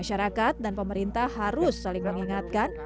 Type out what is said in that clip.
masyarakat dan pemerintah harus saling mengingatkan